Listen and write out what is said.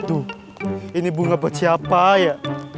tuh ini bunga buat siapa ya